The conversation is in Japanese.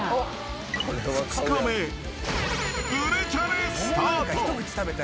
２日目、売れチャレスタート。